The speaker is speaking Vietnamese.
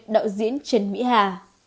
đạo diễn trần mỹ hà